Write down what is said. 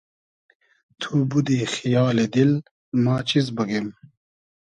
تو بودی خیالی دیل ما چیز بوگیم